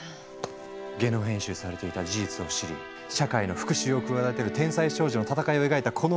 ゲノム編集されていた事実を知り社会への復しゅうを企てる天才少女の戦いを描いたこの漫画！